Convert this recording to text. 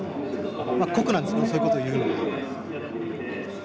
酷なんですけどそういう事を言うのは。